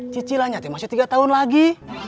cicilannya masih tiga tahun lagi